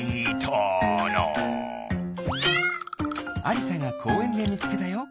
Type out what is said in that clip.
ありさがこうえんでみつけたよ。